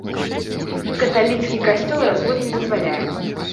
Каталіцкі касцёл развод не дазваляе.